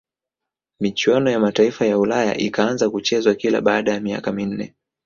michuano ya mataifa ya ulaya ikaanza kuchezwa kila baada ya miaka minne